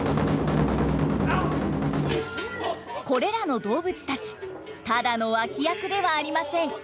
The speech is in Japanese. これらの動物たちただの脇役ではありません。